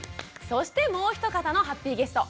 そしてもう一方のハッピーゲスト。